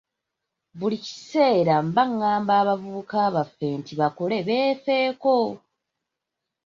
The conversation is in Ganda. Buli kiseera mba ngamba abavubuka baffe nti bakole beefeeko.